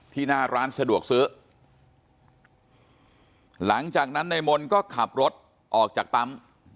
หน้าร้านสะดวกซื้อหลังจากนั้นในมนต์ก็ขับรถออกจากปั๊ม